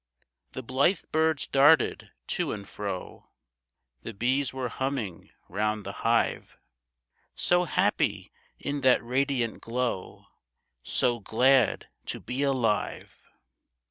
The blithe birds darted to and fro, The bees were humming round the hive, So happy in that radiant glow ! So glad to be alive